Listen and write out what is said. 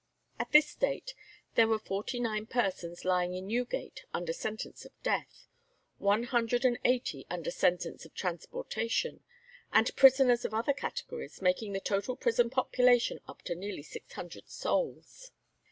At this date there were forty nine persons lying in Newgate under sentence of death, one hundred and eighty under sentence of transportation, and prisoners of other categories, making the total prison population up to nearly six hundred souls.